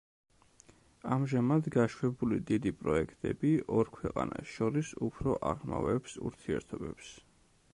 ამჟამად გაშვებული დიდი პროექტები, ორ ქვეყანას შორის უფრო აღრმავებს ურთიერთობებს.